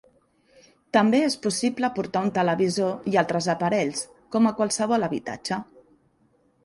També és possible portar un televisor i altres aparells com a qualsevol habitatge.